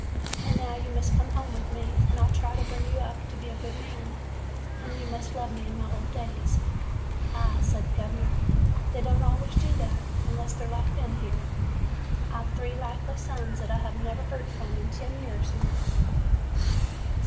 And now you must come home with me, and I 'll try to bring you up to be a good man, and you must love me in my old days.' '' 'Ah,' says the gov'ner, 'they don't always [ 71 ] AN EASTER LILY do that, unless they 're like Ben here. I Ve three likely sons that I have n't heard from in ten years, or more.